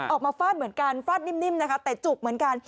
ออกมาฟาดเหมือนกันฟาดนิ่มแต่จุกเหมือนกัน